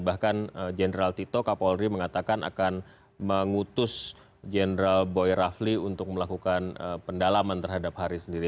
bahkan jenderal tito kapolri mengatakan akan mengutus jenderal boy rafli untuk melakukan pendalaman terhadap hari sendiri